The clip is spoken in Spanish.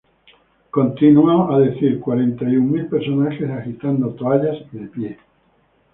Continuó a decir "Cuarenta y un mil personas agitando toallas y de pie.